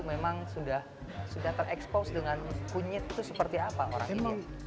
memang sudah terekspos dengan kunyit itu seperti apa orang ini